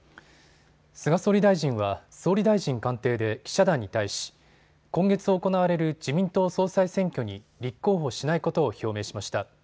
菅総理大臣は、総理大臣官邸で記者団に対し、今月行われる自民党総裁選挙に立候補しないことを表明しました。